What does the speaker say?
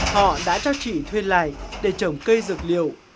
họ đã cho chị thuê lại để trồng cây dược liệu